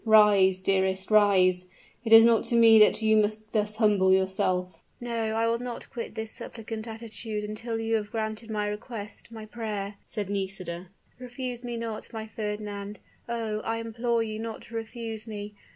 Rise, dearest, rise; it is not to me that you must thus humble yourself!" "No; I will not quit this suppliant attitude until you shall have granted my request my prayer," said Nisida. "Refuse me not, my Fernand. Oh! I implore you not to refuse me!